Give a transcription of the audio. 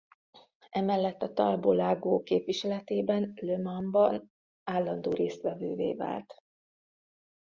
Emellett a Talbot Lago képviseletében Le Mans-ban állandó résztvevővé vált.